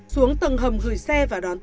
xuống tầng hầm gửi xe và đón tù